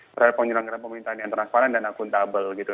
terhadap penyelenggaraan pemerintahan yang transparan dan akuntabel gitu